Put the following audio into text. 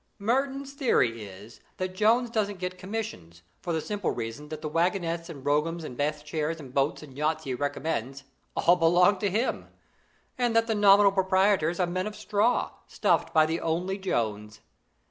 "Merton's theory is, that Jones doesn't get commissions, for the simple reason that the wagonettes and broughams and bath chairs and boats and yachts he recommends all belong to him, and that the nominal proprietors are men of straw, stuffed by the only Jones.